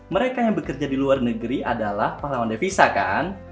mereka yang bekerja di luar negeri adalah pahlawan devisa kan